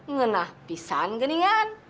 ngenah pisan geningan